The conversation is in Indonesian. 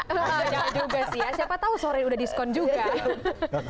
oh jangan juga sih ya siapa tahu sore udah diskon juga